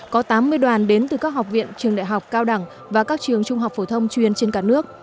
có tám mươi đoàn đến từ các học viện trường đại học cao đẳng và các trường trung học phổ thông chuyên trên cả nước